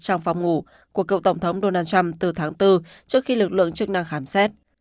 trong phòng ngủ của cựu tổng thống donald trump từ tháng bốn trước khi lực lượng chức năng khám xét